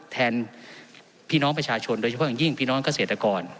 แทนพี่น้องประชาชนโดยเฉพาะอย่างยิ่งพี่น้องเกษตรกร